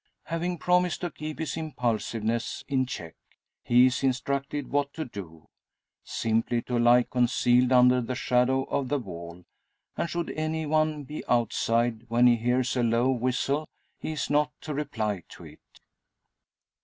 Having promised to keep his impulsiveness in check, he is instructed what to do. Simply to lie concealed under the shadow of the wall, and should any one be outside when he hears a low whistle, he is not to reply to it.